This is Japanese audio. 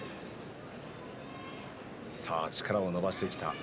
力を伸ばしてきた若元春。